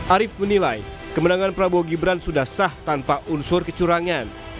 arief menilai kemenangan prabowo gibran sudah sah tanpa unsur kecurangan